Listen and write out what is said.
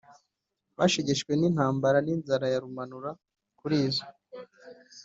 bashegeshwe n intambara n inzara ya Rumanura Kuri izo